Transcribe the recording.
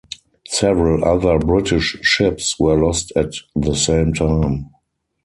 Several other British ships were lost at the same time.